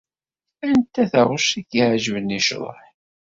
Anta taɣect i k-iɛeǧben i ccḍeḥ?